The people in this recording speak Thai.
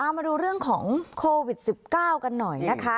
มาดูเรื่องของโควิด๑๙กันหน่อยนะคะ